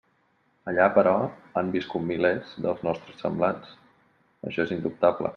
Allà, però, han viscut milers dels nostres semblants; això és indubtable.